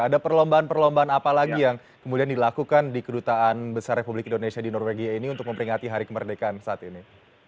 ada perlombaan perlombaan apa lagi yang kemudian dilakukan di kedutaan besar republik indonesia di norwegia ini untuk memperingati hari kemerdekaan saat ini